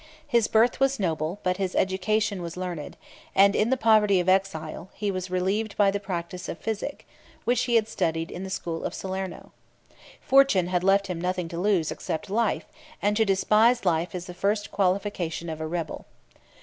His birth was noble, but his education was learned; and in the poverty of exile, he was relieved by the practice of physic, which he had studied in the school of Salerno. Fortune had left him nothing to lose, except life; and to despise life is the first qualification of a rebel.